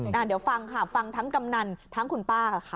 เดี๋ยวฟังค่ะฟังทั้งกำนันทั้งคุณป้าค่ะ